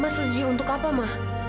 mama setuju untuk apa ma